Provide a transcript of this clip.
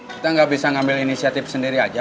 kita gak bisa ambil inisiatif sendiri aja